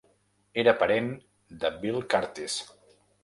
Era parent de Bill Kurtis.